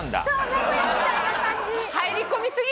名古屋みたいな感じ！